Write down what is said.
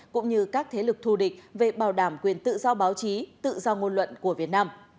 cũng như các thế lực thù địch về bảo đảm quyền tự do báo chí tự do ngôn luận của việt nam